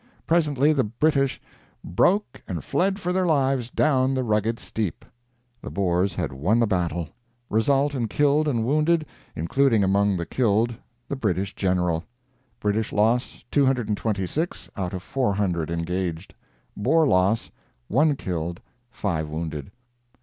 Presently the British "broke and fled for their lives down the rugged steep." The Boers had won the battle. Result in killed and wounded, including among the killed the British General: British loss, 226, out of 400 engaged. Boer loss, 1 killed, 5 wounded.